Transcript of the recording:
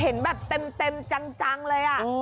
เห็นแบบเต็มจังเลย